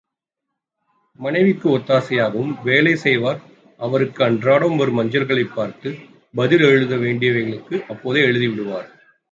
மனைவிக்கு ஒத்தாசையாகவும் வேலை செய்வார் அவருக்கு அன்றாடம் வரும் அஞ்சல்களைப் பார்த்து, பதில் எழுத வேண்டியவைகளுக்கு அப்போதே எழுதிவிடுவார்.